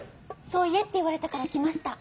そう言えって言われたから来ました。